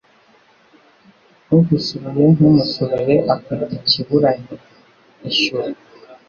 Ugusuriye ntumusurire akwita ikiburannyo ishyura